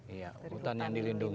iya hutan yang dilindungi